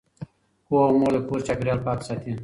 پوهه مور د کور چاپیریال پاک ساتي۔